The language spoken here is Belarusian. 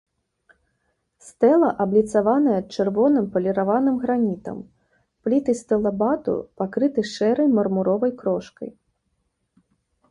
Стэла абліцаваная чырвоным паліраваным гранітам, пліты стылабату пакрыты шэрай мармуровай крошкай.